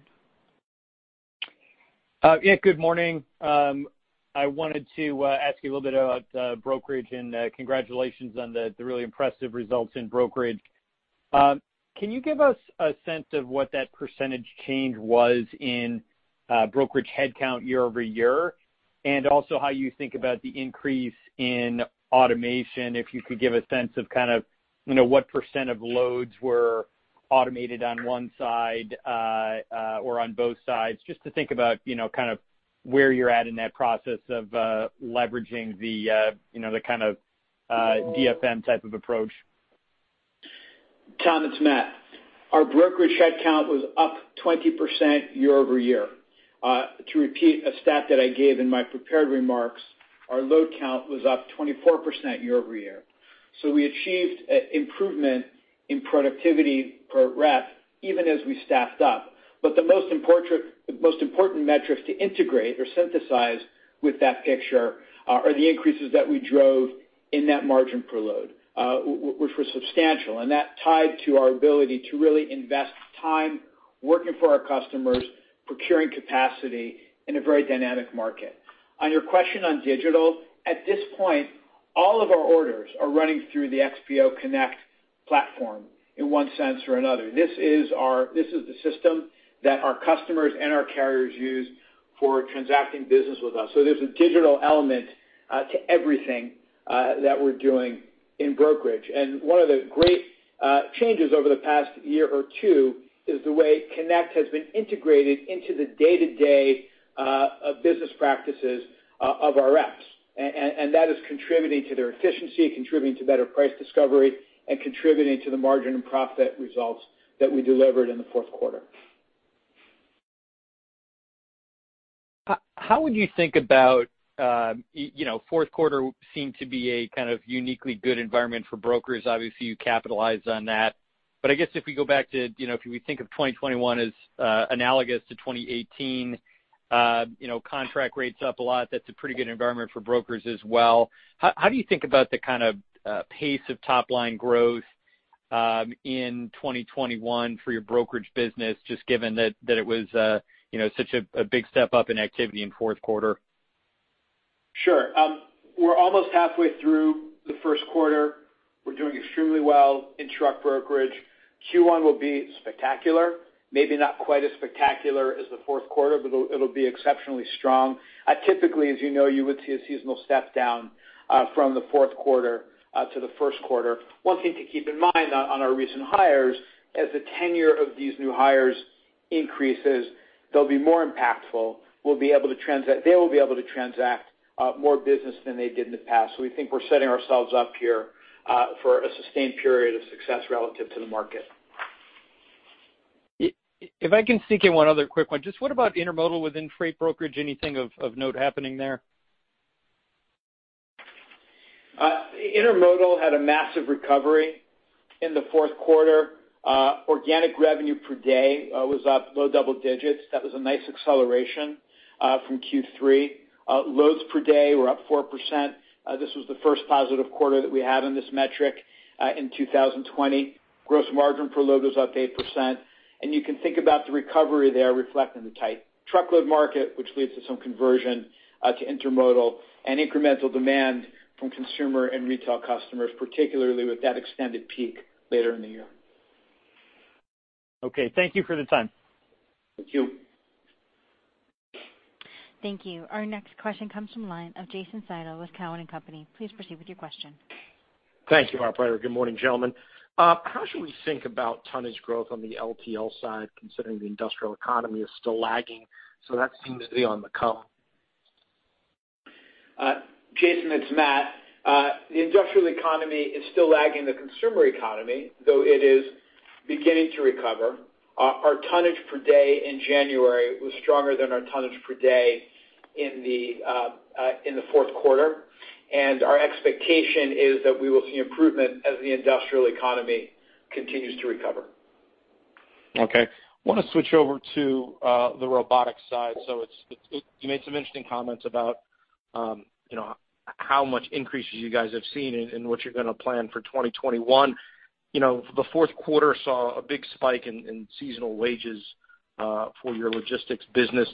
I: Yeah, good morning. I wanted to ask you a little bit about brokerage. Congratulations on the really impressive results in brokerage. Can you give us a sense of what that percentage change was in brokerage headcount year-over-year, also how you think about the increase in automation, if you could give a sense of what percent of loads were automated on one side or on both sides, just to think about where you're at in that process of leveraging the kind of DFM type of approach.
E: Tom, it's Matt. Our brokerage headcount was up 20% year-over-year. To repeat a stat that I gave in my prepared remarks, our load count was up 24% year-over-year. I achieved improvement in productivity per rep even as we staffed up. The most important metrics to integrate or synthesize with that picture are the increases that we drove in that margin per load, which were substantial. That tied to our ability to really invest time working for our customers, procuring capacity in a very dynamic market. On your question on digital, at this point, all of our orders are running through the XPO Connect platform in one sense or another. This is the system that our customers and our carriers use for transacting business with us. There's a digital element to everything that we're doing in brokerage. One of the great changes over the past year or two is the way Connect has been integrated into the day-to-day business practices of our reps. That is contributing to their efficiency, contributing to better price discovery, and contributing to the margin and profit results that we delivered in the fourth quarter.
I: How would you think about, fourth quarter seemed to be a kind of uniquely good environment for brokers. Obviously, you capitalized on that. I guess if we go back to, if we think of 2021 as analogous to 2018, contract rates up a lot. That's a pretty good environment for brokers as well. How do you think about the kind of pace of top-line growth in 2021 for your brokerage business, just given that it was such a big step up in activity in fourth quarter?
E: Sure. We're almost halfway through the first quarter. We're doing extremely well in truck brokerage. Q1 will be spectacular, maybe not quite as spectacular as the fourth quarter, but it'll be exceptionally strong. Typically, as you know, you would see a seasonal step down from the fourth quarter to the first quarter. One thing to keep in mind on our recent hires, as the tenure of these new hires increases, they'll be more impactful. They will be able to transact more business than they did in the past. We think we're setting ourselves up here for a sustained period of success relative to the market.
I: If I can sneak in one other quick one. Just what about intermodal within freight brokerage? Anything of note happening there?
E: Intermodal had a massive recovery in the fourth quarter. Organic revenue per day was up low double digits. That was a nice acceleration from Q3. Loads per day were up 4%. This was the first positive quarter that we had on this metric in 2020. Gross margin per load was up 8%. You can think about the recovery there reflecting the tight truckload market, which leads to some conversion to intermodal and incremental demand from consumer and retail customers, particularly with that extended peak later in the year.
I: Okay. Thank you for the time.
E: Thank you.
A: Thank you. Our next question comes from the line of Jason Seidl with Cowen and Company. Please proceed with your question.
J: Thank you, operator. Good morning, gentlemen. How should we think about tonnage growth on the LTL side, considering the industrial economy is still lagging? That seems to be on the come.
E: Jason, it's Matt. The industrial economy is still lagging the consumer economy, though it is beginning to recover. Our tonnage per day in January was stronger than our tonnage per day in the fourth quarter, and our expectation is that we will see improvement as the industrial economy continues to recover.
J: Want to switch over to the robotics side. You made some interesting comments about how much increases you guys have seen and what you're going to plan for 2021. The fourth quarter saw a big spike in seasonal wages for your logistics business.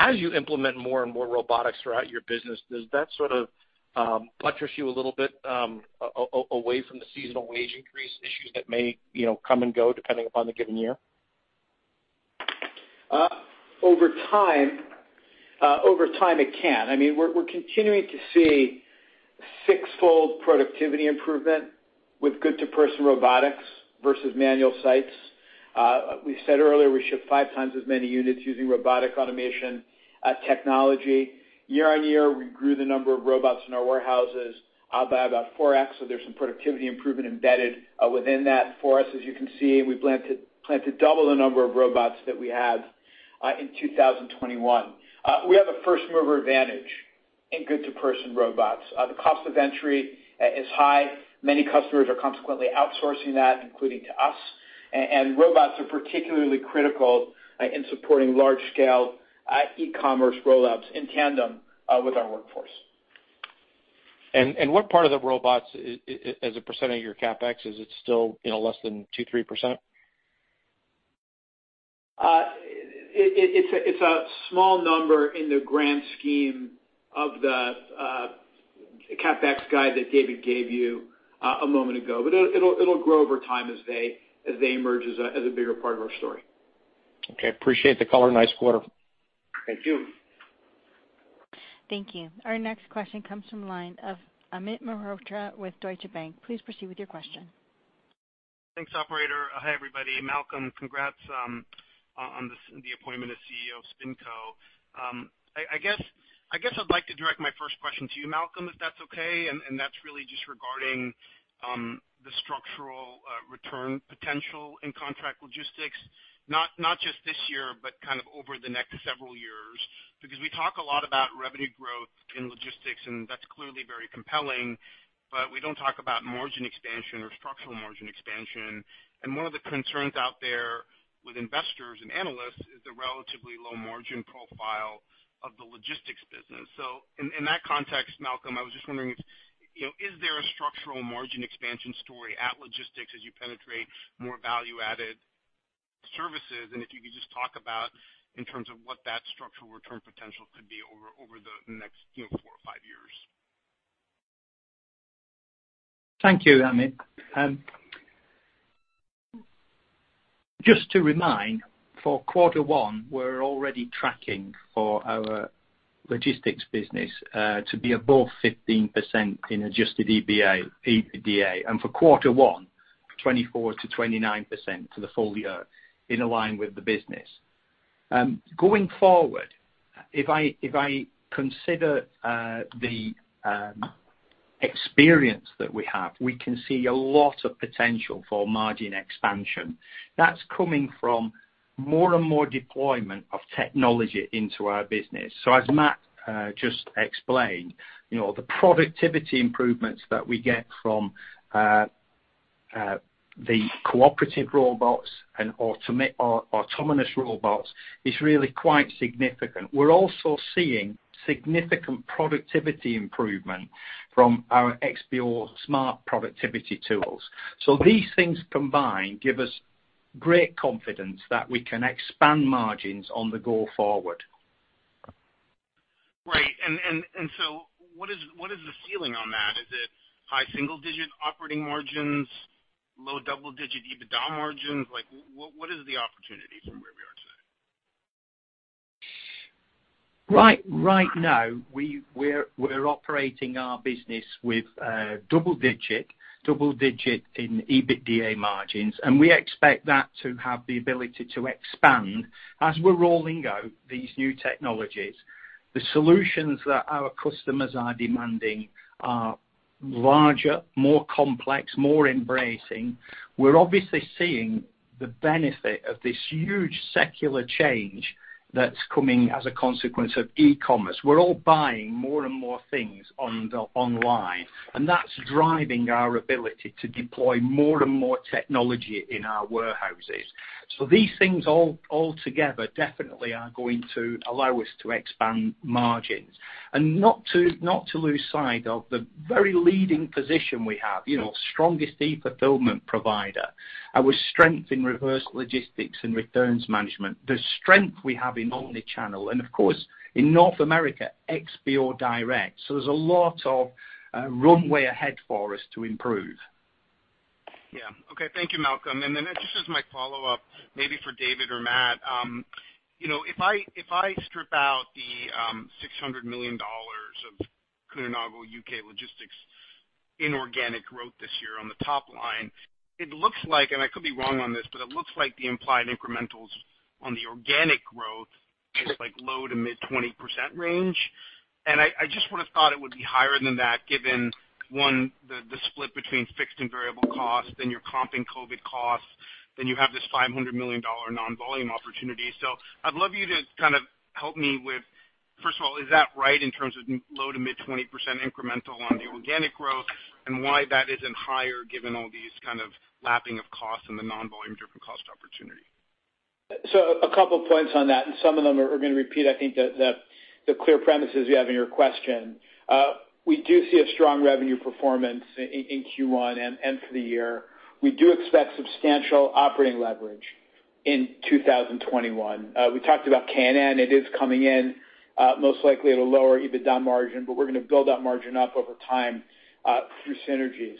J: As you implement more and more robotics throughout your business, does that sort of buttress you a little bit away from the seasonal wage increase issues that may come and go depending upon the given year?
E: Over time, it can. We're continuing to see 6x productivity improvement with goods-to-person robotics versus manual sites. We said earlier we ship five times as many units using robotic automation technology. Year on year, we grew the number of robots in our warehouses up by about 4x, so there's some productivity improvement embedded within that for us. As you can see, we plan to double the number of robots that we have in 2021. We have a first-mover advantage in goods-to-person robots. The cost of entry is high. Many customers are consequently outsourcing that, including to us. Robots are particularly critical in supporting large-scale e-commerce rollouts in tandem with our workforce.
J: What part of the robots as a percent of your CapEx? Is it still less than 2%, 3%?
E: It's a small number in the grand scheme of the CapEx guide that David gave you a moment ago, but it'll grow over time as they emerge as a bigger part of our story.
J: Okay. Appreciate the color. Nice quarter.
E: Thank you.
A: Thank you. Our next question comes from the line of Amit Mehrotra with Deutsche Bank. Please proceed with your question.
K: Thanks, operator. Hi, everybody. Malcolm, congrats on the appointment as CEO of SpinCo. I guess I'd like to direct my first question to you, Malcolm, if that's okay. That's really just regarding the structural return potential in contract logistics, not just this year, but kind of over the next several years. Because we talk a lot about revenue growth in logistics, and that's clearly very compelling, but we don't talk about margin expansion or structural margin expansion. One of the concerns out there with investors and analysts is the relatively low margin profile of the logistics business. In that context, Malcolm, I was just wondering if, is there a structural margin expansion story at logistics as you penetrate more value-added services? If you could just talk about in terms of what that structural return potential could be over the next four or five years.
C: Thank you, Amit. Just to remind, for quarter one, we're already tracking for our logistics business to be above 15% in adjusted EBITDA. For quarter one, 24%-29% for the full year in line with the business. Going forward, if I consider the experience that we have, we can see a lot of potential for margin expansion. That's coming from more and more deployment of technology into our business. As Matt just explained, the productivity improvements that we get from the cooperative robots and autonomous robots is really quite significant. We're also seeing significant productivity improvement from our XPO Smart productivity tools. These things combined give us great confidence that we can expand margins on the go forward.
K: Right. What is the ceiling on that? Is it high single-digit operating margins, low double-digit EBITDA margins? What is the opportunity from where we are today?
C: Right now, we're operating our business with double-digit EBITDA margins, and we expect that to have the ability to expand as we're rolling out these new technologies. The solutions that our customers are demanding are larger, more complex, more embracing. We're obviously seeing the benefit of this huge secular change that's coming as a consequence of e-commerce. We're all buying more and more things online, and that's driving our ability to deploy more and more technology in our warehouses. These things all together definitely are going to allow us to expand margins. Not to lose sight of the very leading position we have, strongest e-fulfillment provider, our strength in reverse logistics and returns management, the strength we have in omni-channel, and of course, in North America, XPO Direct. There's a lot of runway ahead for us to improve.
K: Yeah. Okay. Thank you, Malcolm. Then just as my follow-up, maybe for David or Matt. If I strip out the $600 million of Kuehne+Nagel U.K. logistics inorganic growth this year on the top line, it looks like, and I could be wrong on this, but it looks like the implied incrementals on the organic growth is low to mid-20% range. I just would've thought it would be higher than that given, one, the split between fixed and variable costs, then you're comping COVID costs, then you have this $500 million non-volume opportunity. I'd love you to kind of help me with, first of all, is that right in terms of low to mid-20% incremental on the organic growth and why that isn't higher given all these kind of lapping of costs and the non-volume driven cost opportunity?
E: A couple of points on that, and some of them are going to repeat, I think, the clear premises you have in your question. We do see a strong revenue performance in Q1 and for the year. We do expect substantial operating leverage in 2021. We talked about K&N. It is coming in most likely at a lower EBITDA margin, but we're going to build that margin up over time through synergies.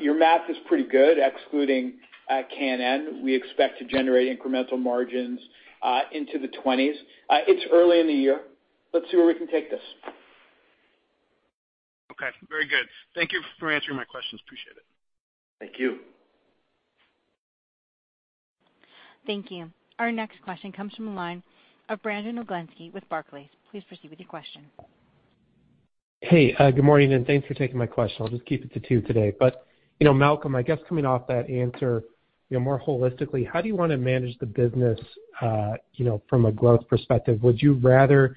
E: Your math is pretty good. Excluding K&N, we expect to generate incremental margins into the 20%. It's early in the year. Let's see where we can take this.
K: Okay, very good. Thank you for answering my questions. Appreciate it.
E: Thank you.
A: Thank you. Our next question comes from the line of Brandon Oglenski with Barclays. Please proceed with your question.
L: Good morning, thanks for taking my question. I'll just keep it to two today. Malcolm, I guess coming off that answer, more holistically, how do you want to manage the business from a growth perspective? Would you rather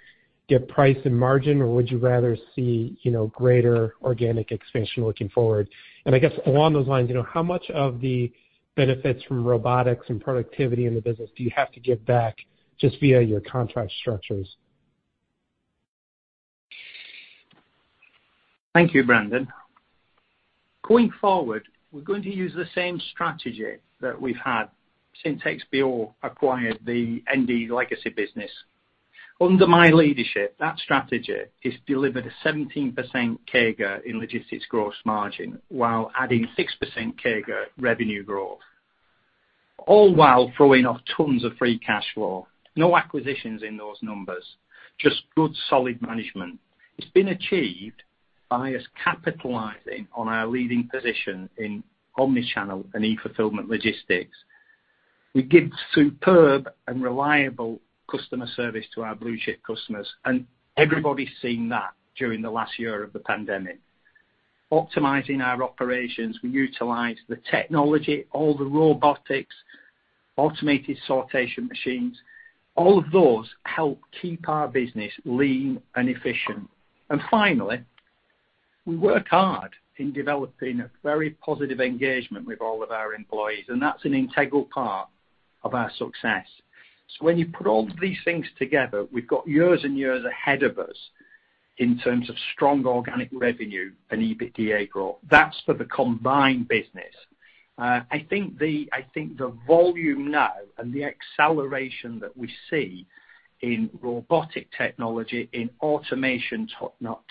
L: get price and margin, or would you rather see greater organic expansion looking forward? I guess along those lines, how much of the benefits from robotics and productivity in the business do you have to give back just via your contract structures?
C: Thank you, Brandon. Going forward, we're going to use the same strategy that we've had since XPO acquired the ND legacy business. Under my leadership, that strategy has delivered a 17% CAGR in logistics gross margin while adding 6% CAGR revenue growth, all while throwing off tons of free cash flow. No acquisitions in those numbers, just good solid management. It's been achieved by us capitalizing on our leading position in omni-channel and e-fulfillment logistics. We give superb and reliable customer service to our blue-chip customers, and everybody's seen that during the last year of the pandemic. Optimizing our operations, we utilize the technology, all the robotics, automated sortation machines. All of those help keep our business lean and efficient. Finally, we work hard in developing a very positive engagement with all of our employees, and that's an integral part of our success. When you put all of these things together, we've got years and years ahead of us in terms of strong organic revenue and EBITDA growth. That's for the combined business. I think the volume now and the acceleration that we see in robotic technology, in automation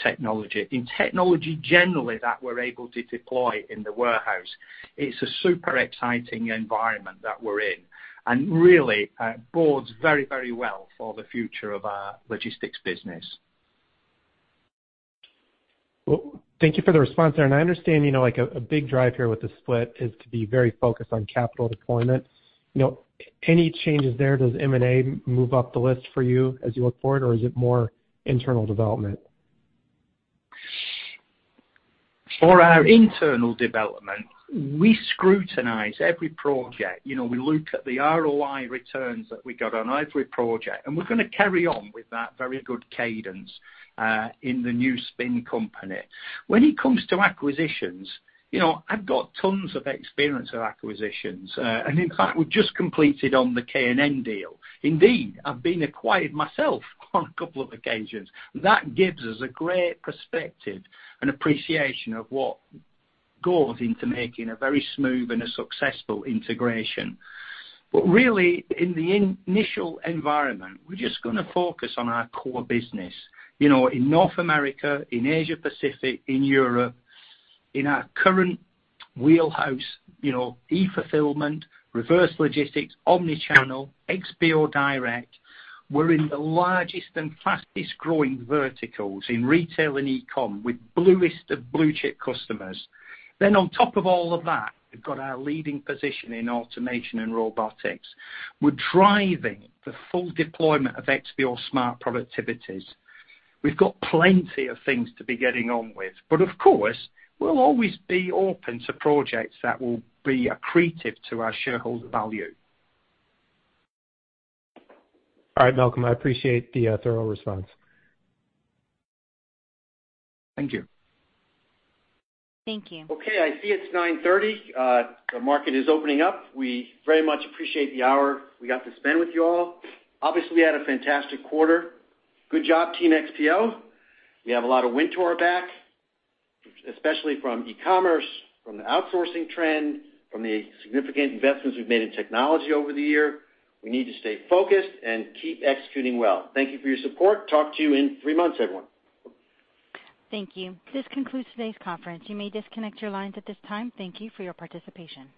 C: technology, in technology generally that we're able to deploy in the warehouse, it's a super exciting environment that we're in and really bodes very well for the future of our logistics business.
L: Well, thank you for the response there. I understand a big drive here with the split is to be very focused on capital deployment. Any changes there? Does M&A move up the list for you as you look forward, or is it more internal development?
C: For our internal development, we scrutinize every project. We look at the ROI returns that we got on every project. We're going to carry on with that very good cadence in the new SpinCo. When it comes to acquisitions, I've got tons of experience with acquisitions. In fact, we just completed on the K&N deal. Indeed, I've been acquired myself on a couple of occasions. That gives us a great perspective and appreciation of what goes into making a very smooth and a successful integration. Really, in the initial environment, we're just going to focus on our core business in North America, in Asia Pacific, in Europe, in our current wheelhouse, e-fulfillment, reverse logistics, omni-channel, XPO Direct. We're in the largest and fastest-growing verticals in retail and e-com with bluest of blue-chip customers. On top of all of that, we've got our leading position in automation and robotics. We're driving the full deployment of XPO Smart productivities. We've got plenty of things to be getting on with, but of course, we'll always be open to projects that will be accretive to our shareholder value.
L: All right, Malcolm, I appreciate the thorough response.
C: Thank you.
A: Thank you.
B: Okay, I see it's 9:30. The market is opening up. We very much appreciate the hour we got to spend with you all. Obviously, had a fantastic quarter. Good job, Team XPO. We have a lot of wind to our back, especially from e-commerce, from the outsourcing trend, from the significant investments we've made in technology over the year. We need to stay focused and keep executing well. Thank you for your support. Talk to you in three months, everyone.
A: Thank you. This concludes today's conference. You may disconnect your lines at this time. Thank you for your participation.